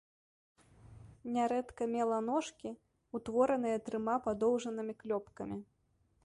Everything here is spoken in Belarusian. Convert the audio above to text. Нярэдка мела ножкі, утвораныя трыма падоўжанымі клёпкамі.